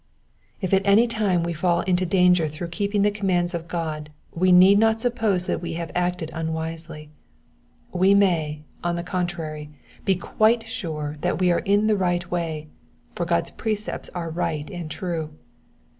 If at any time we fall into danger through keeping the commands of God we need not suppose that we have acted unwisely : we may, on the contrary, be quite sure that we are in the right way ; for God^s precepts are right and true.